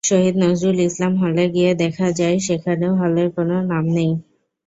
শহীদ সৈয়দ নজরুল ইসলাম হলে গিয়ে দেখা যায়, সেখানেও হলের কোনো নাম নেই।